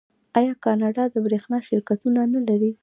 آیا کاناډا د بریښنا شرکتونه نلري؟